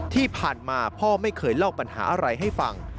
ที่ผ่านมาพ่อไม่เคยเล่าปัญหาอะไรให้ฟัง